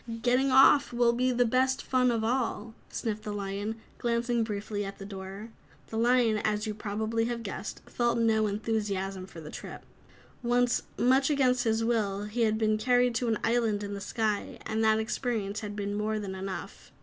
"Getting off will be the best fun of all," sniffed the lion, glancing briefly at the door. The Lion, as you probably have guessed, felt no enthusiasm for the trip. Once, much against his will, he had been carried to an island in the sky, and that experience had been more than enough.